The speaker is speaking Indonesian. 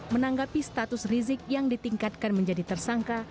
menanggapi status rizik yang ditingkatkan menjadi tersangka